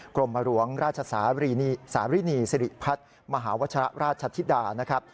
กรมหลวงราชสารินีศริพัฒน์มหาวัชรราชชัธิดา